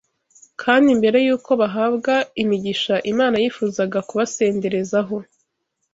Kandi mbere y’uko bahabwa imigisha Imana yifuzaga kubasenderezaho